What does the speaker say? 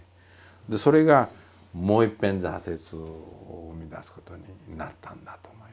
それがもういっぺん挫折を生み出すことになったんだと思いますね。